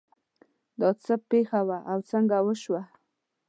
دا څه پېښه وه او څنګه وشوه